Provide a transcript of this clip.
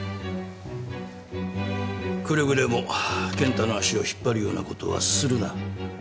くれぐれも健太の足を引っ張るようなことはするな。